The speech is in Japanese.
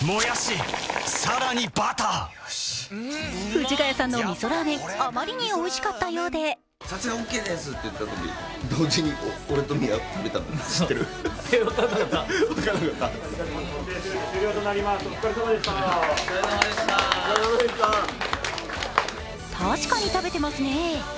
藤ヶ谷さんのみそラーメン、あまりにおいしかったようで確かに食べてますね。